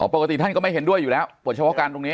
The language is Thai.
ปกติท่านก็ไม่เห็นด้วยอยู่แล้วบทเฉพาะการตรงนี้